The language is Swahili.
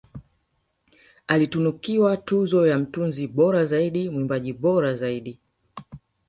Alitunukiwa tuzo za Mtunzi bora zaidi mwimbaji bora zaidi